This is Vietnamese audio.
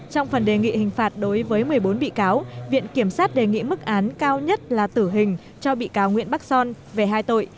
trong phần đề nghị hình phạt đối với một mươi bốn bị cáo viện kiểm sát đề nghị mức án cao nhất là tử hình cho bị cáo nguyễn bắc son về hai tội